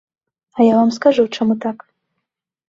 А я вам скажу, чаму так.